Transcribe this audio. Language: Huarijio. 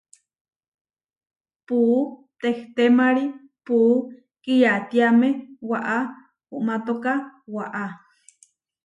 Puú tehtémari puú kiyatiáme waʼá uʼmátoka waʼá.